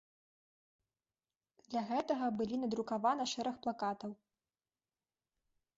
Для гэтага былі надрукавана шэраг плакатаў.